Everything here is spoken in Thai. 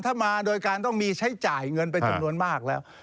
ถ้ามาโดยการต้องมีใช้จ่ายเงินเป็นจำนวนมากแล้ว